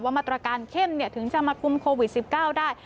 ว่ามรรติฯการเข้มนี้ถึงจะมาคุมโควิด๑๙ได้